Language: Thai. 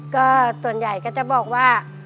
ก็ส่วนใหญ่ก็จะบอกว่า